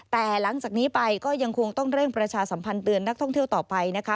แต่หลังจากนี้ไปก็ยังคงต้องเร่งประชาสัมพันธ์เตือนนักท่องเที่ยวต่อไปนะคะ